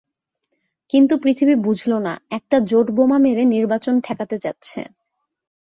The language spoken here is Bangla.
কিন্তু পৃথিবী বুঝল না, একটা জোট বোমা মেরে নির্বাচন ঠেকাতে চাচ্ছে।